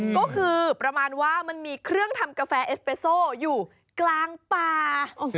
ก็คือประมาณว่ามันมีเครื่องทำกาแฟเอสเปโซอยู่กลางป่า